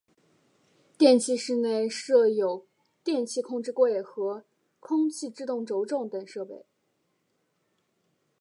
电气室内设有电气控制柜和空气制动轴重等设备。